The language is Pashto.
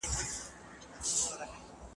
کليوالي سيمو کي بايد کرنيز سيستمونه عصري سي.